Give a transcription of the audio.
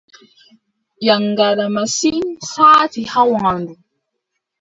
Yaŋgada masin, saati haa waandu.